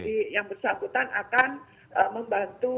jadi yang bersangkutan akan membantu